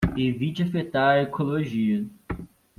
Evite afetar a ecologia